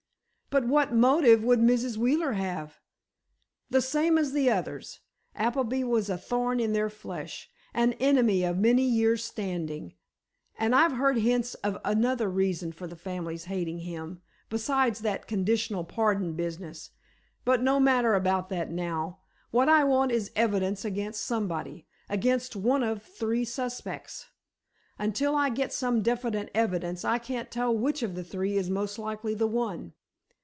"But what motive would Mrs. Wheeler have?" "The same as the others. Appleby was a thorn in their flesh, an enemy of many years' standing. And I've heard hints of another reason for the family's hating him, besides that conditional pardon business. But no matter about that now. What I want is evidence against somebody—against one of three suspects. Until I get some definite evidence I can't tell which of the three is most likely the one."